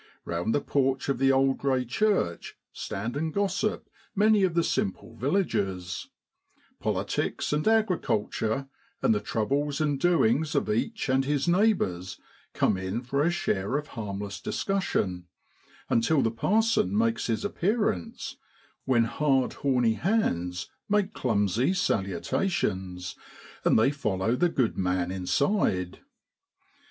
Eound the porch of the old grey church stand and gossip many of the simple villagers ; politics and agriculture and the troubles and doings of each and his neighbours, come in for a share of harmless discussion, until the parson makes his appearance, when hard, horny hands make clumsy salutations, and they follow the good man inside.